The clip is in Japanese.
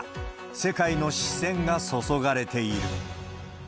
世界の視線が注がれている。